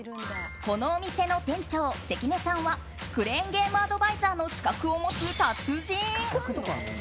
このお店の店長関根さんはクレーンゲームアドバイザーの資格を持つ達人。